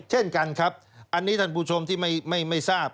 เช่นกันครับอันนี้ท่านผู้ชมที่ไม่ทราบ